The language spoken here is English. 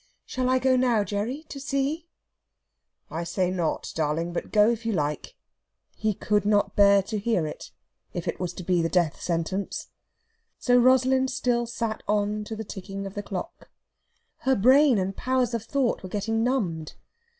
"Shall I go now, Gerry, to see?" "I say not, darling; but go, if you like." He could not bear to hear it, if it was to be the death sentence. So Rosalind still sat on to the ticking of the clock. Her brain and powers of thought were getting numbed.